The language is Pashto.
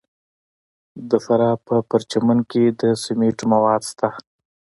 د فراه په پرچمن کې د سمنټو مواد شته.